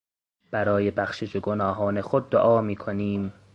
برای بخشش گناهان خود دعا میکنیم.